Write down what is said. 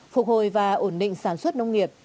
phục hồi và ổn định sản xuất nông nghiệp